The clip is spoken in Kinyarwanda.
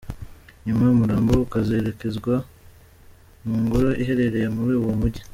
nyuma umurambo ukazerekezwa mu ngoro ihererereye muri uwo Mujyi.